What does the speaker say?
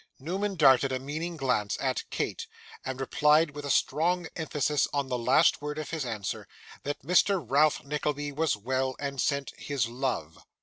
Newman darted a meaning glance at Kate, and replied with a strong emphasis on the last word of his answer, that Mr. Ralph Nickleby was well, and sent his LOVE.